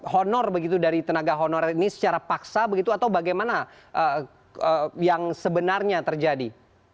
honor begitu dari tenaga honorer ini secara paksa begitu atau bagaimana yang sebenarnya terjadi